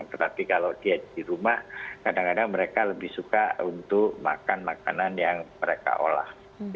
tetapi kalau dia di rumah kadang kadang mereka lebih suka untuk makan makanan yang mereka olah